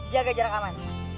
jaga jarak aman